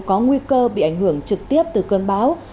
có nguy cơ bị ảnh hưởng trực tiếp từ cơn bão